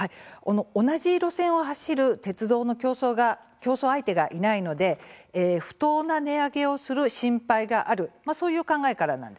同じ路線を走る鉄道の競争相手がいないので不当な値上げをする心配があるそういう考えからなんです。